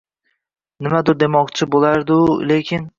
Nimadir demoqchi bo’laru lekin